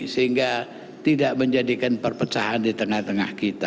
sehingga tidak menjadikan perpecahan di tengah tengah kita